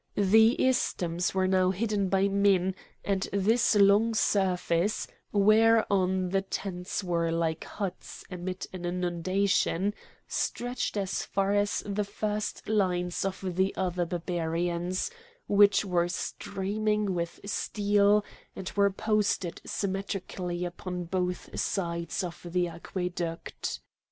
The isthmus was now hidden by men; and this long surface, whereon the tents were like huts amid an inundation, stretched as far as the first lines of the other Barbarians, which were streaming with steel and were posted symmetrically upon both sides of the aqueduct.